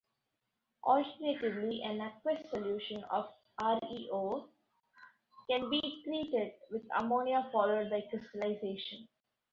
Alternatively an aqueous solution of ReO can be treated with ammonia followed by crystallisation.